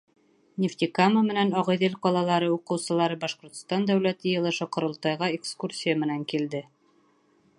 Нефтекама менән Ағиҙел ҡалалары уҡыусылары Башҡортостан Дәүләт Йыйылышы — Ҡоролтайға экскурсия менән килде.